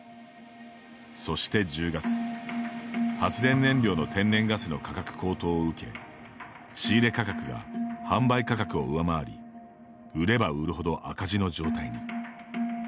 そして、１０月発電燃料の天然ガスの価格高騰をうけ仕入れ価格が販売価格を上回り売れば売るほど赤字の状態に。